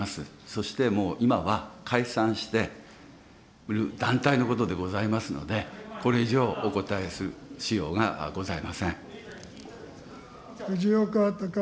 そしてもう、今は解散している団体のことでございますので、これ以上お答えしようがございません。